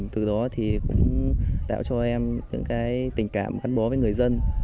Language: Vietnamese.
từ đó thì cũng tạo cho em những tình cảm gắn bó với người dân